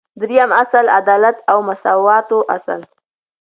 دریم اصل : عدالت او مساواتو اصل